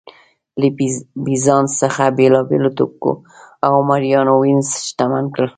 له بېزانس څخه بېلابېلو توکو او مریانو وینز شتمن کړ